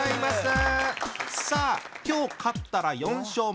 さあ今日勝ったら４勝目。